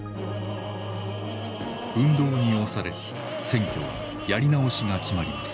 運動に押され選挙はやり直しが決まります。